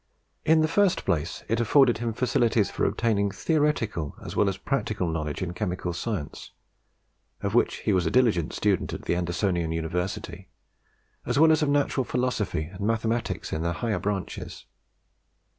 In the first place it afforded him facilities for obtaining theoretical as well as practical knowledge in Chemical Science, of which he was a diligent student at the Andersonian University, as well as of Natural Philosophy and Mathematics in their higher branches.